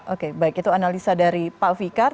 oke baik itu analisa dari pak fikar